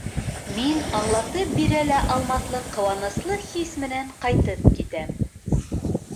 Мин аңлатып бирә лә алмаҫлыҡ ҡыуаныслы хис менән ҡайтып китәм.